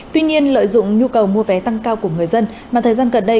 tuy nhiên lợi dụng nhu cầu mua vé tăng cao của người dân mà thời gian gần đây